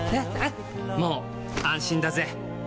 もう安心だぜ！